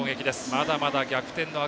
まだまだ逆転の赤